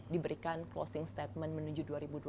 diberikan closing statement menuju